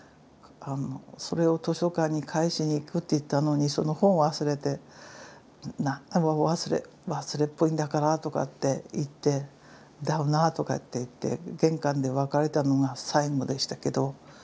それを図書館に返しに行くって言ったのにその本を忘れて何だもう忘れっぽいんだからとかって言ってだよなとか言って玄関で別れたのが最後でしたけど